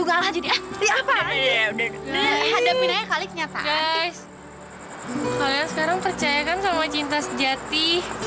kalian sekarang percaya kan sama cinta sejati